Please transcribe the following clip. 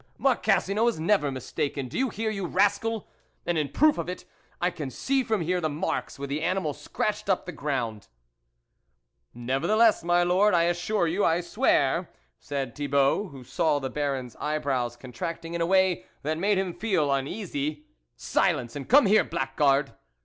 " Marcassino is never mistaken, do you hear, you rascal ! and in prcof of it I can see from here the marks where the animal scratched up the ground." " Nevertheless, my Lord, I assure you, I swear ...." said Thibault, who saw the Baron's eyebrows contracting in a way that made him feel uneasy. " Silence, and come here, blackguard